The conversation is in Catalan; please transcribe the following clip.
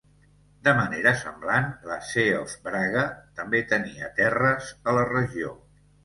De manera semblant, la Sé of Braga també tenia terres a la regió.